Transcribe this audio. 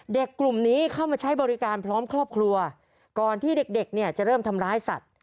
กลุ่มนี้เข้ามาใช้บริการพร้อมครอบครัวก่อนที่เด็กเด็กเนี่ยจะเริ่มทำร้ายสัตว์